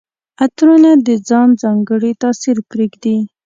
عطرونه د ځان ځانګړی تاثر پرېږدي.